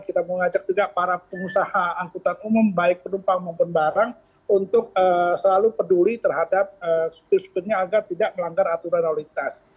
kita mengajak juga para pengusaha angkutan umum baik penumpang maupun barang untuk selalu peduli terhadap stir syukurnya agar tidak melanggar aturan lalu lintas